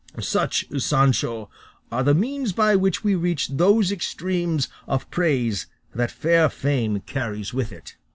Such, Sancho, are the means by which we reach those extremes of praise that fair fame carries with it."